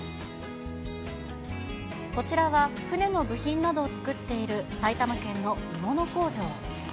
こちらは船の部品などを作っている、埼玉県の鋳物工場。